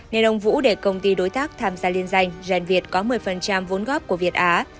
nên ông vũ để công ty đối tác tham gia liên danh genviet có một mươi vốn góp của việt á